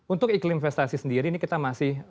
untuk iklim investasi sendiri ini kita masih